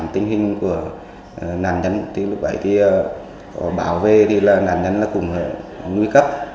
tình hình của nạn nhân thì lúc ấy thì có bảo vệ thì là nạn nhân là cùng nguy cấp